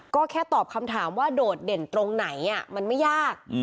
ก็แค่ตอบคำถามว่าโดดเด่นตรงไหนมันไม่ยาก